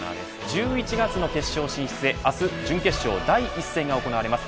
１１月の決勝進出へ、あす準決勝第１戦が行われます